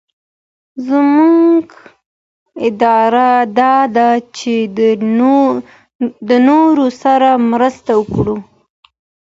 زمونږ اراده دا ده چي د نورو سره مرسته وکړو.